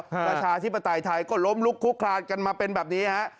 ประชาธิปไตยไทยก็ล้มลุกคุกคลานกันมาเป็นแบบนี้ฮะ